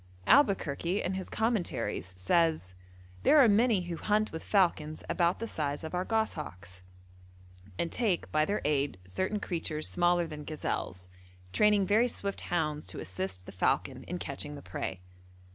Albuquerque in his 'Commentaries' says: 'There are many who hunt with falcons about the size of our goshawks, and take by their aid certain creatures smaller than gazelles, training very swift hounds to assist the falcon in catching the prey.'